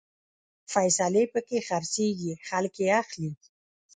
فیصلې پکې خرڅېږي، خلک يې اخلي